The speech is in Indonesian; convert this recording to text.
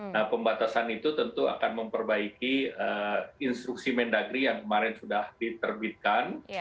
nah pembatasan itu tentu akan memperbaiki instruksi mendagri yang kemarin sudah diterbitkan